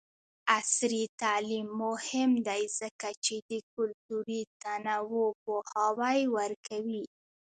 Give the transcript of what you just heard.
عصري تعلیم مهم دی ځکه چې د کلتوري تنوع پوهاوی ورکوي.